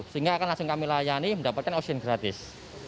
sehingga akan langsung kami layani mendapatkan oksigen gratis